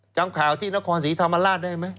จำข่าวที่นครศรีธรรมราชได้ไหม